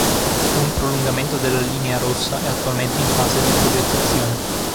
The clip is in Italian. Un prolungamento della linea rossa è attualmente in fase di progettazione.